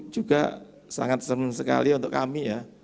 juga sangat senang sekali untuk kami ya